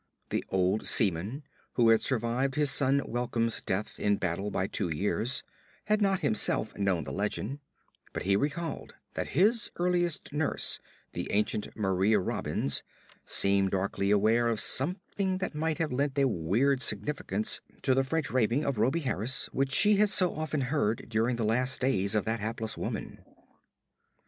The old seaman, who had survived his son Welcome's death in battle by two years, had not himself known the legend, but recalled that his earliest nurse, the ancient Maria Robbins, seemed darkly aware of something that might have lent a weird significance to the French raving of Rhoby Harris, which she had so often heard during the last days of that hapless woman.